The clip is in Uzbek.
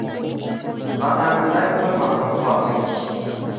Ватанида кўрмасин хорлик